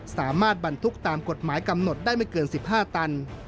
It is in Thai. สามารถบรรทุกตามกฎหมายกำหนดได้ไม่เกิน๑๕ตัน